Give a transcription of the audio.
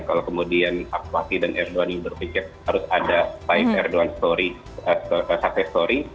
kalau kemudian ak parti dan erdogan ini berpikir harus ada baik erdogan story sukses story